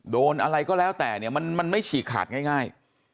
โดนอะไรก็แล้วแต่เนี่ยมันไม่ฉีกขาดง่าย